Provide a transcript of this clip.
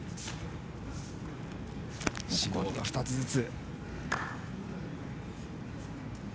指導が２つずつ。